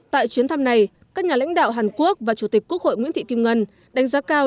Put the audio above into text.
tại chuyến thăm này các nhà lãnh đạo hàn quốc và chủ tịch quốc hội nguyễn thị kim ngân đánh giá cao